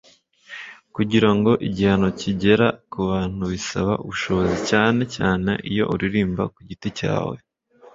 kugira ngo igihangano kigera kubantu bisaba ubushobozi cyane cyane iyo uririmba kugiti cyawe